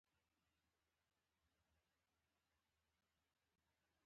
مېرمنې وویل: زما په دې سر نه خلاصیږي، زه ایټالوي نه پوهېږم.